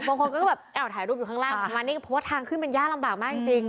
บางคนก็แบบเอ่อถ่ายรูปอยู่ข้างล่างมานี่เพราะว่าทางขึ้นเป็นย่าลำบากมากจริงจริง